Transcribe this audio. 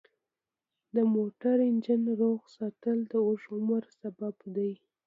د موټر انجن روغ ساتل د اوږده عمر سبب دی.